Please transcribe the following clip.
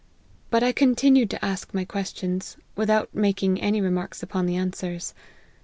But I continued to ask my questions, without making any remarks upon the answers.